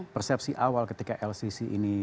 persepsi awal ketika al sisi ini